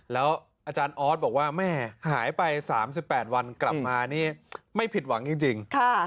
แล้วอาจารย์ออสบอกว่าแม่หายไป๓๘วันกลับมานี่ไม่ผิดหวังจริง